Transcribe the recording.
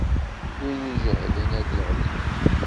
Win ijehlen ad d-iɣli.